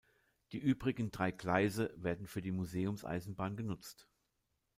Die übrigen drei Gleise werden für die Museumseisenbahn genutzt.